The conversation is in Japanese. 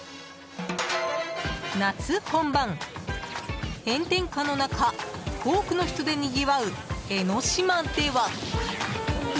夏本番、炎天下の中多くの人でにぎわう江の島では。